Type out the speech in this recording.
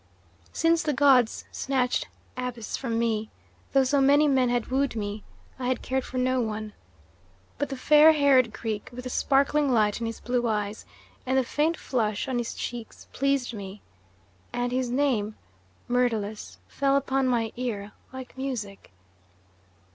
"Since the gods snatched Abus from me, though so many men had wooed me, I had cared for no one; but the fair haired Greek with the sparkling light in his blue eyes and the faint flush on his cheeks pleased me, and his name, 'Myrtilus,' fell upon my ear like music.